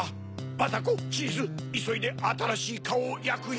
バタコチーズいそいであたらしいカオをやくよ！